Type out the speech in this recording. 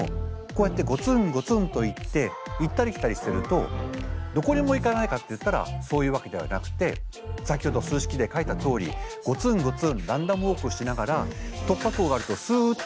こうやってゴツンゴツンといって行ったり来たりしてるとどこにも行かないかっていったらそういうわけではなくて先ほど数式で書いたとおりゴツンゴツンランダムウォークしながら突破口があるとすっと行く。